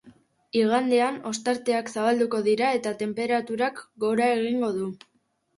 Igandean ostarteak zabalduko dira eta tenperaturak gora egingo du.